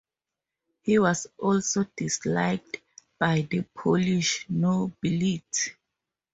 He was also disliked by the Polish nobility.